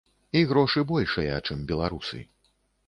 І грошы большыя, чым беларусы.